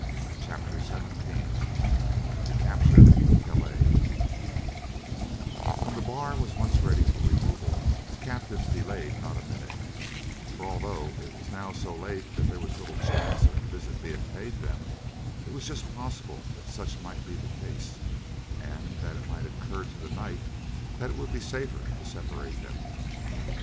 CHAPTER XVII: THE CAPTURE OF CALAIS When the bar was once ready for removal the captives delayed not a minute, for although it was now so late that there was little chance of a visit being paid them, it was just possible that such might be the case, and that it might occur to the knight that it would be safer to separate them.